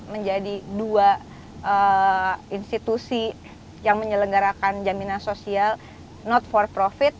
menjadi dua institusi yang menyelenggarakan jaminan sosial not for profit